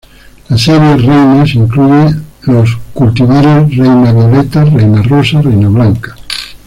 La serie 'reinas' incluye los cultivares 'Reina violeta', 'Reina rosa' 'Reina blanca'.